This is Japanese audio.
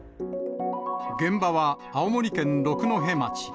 現場は青森県六戸町。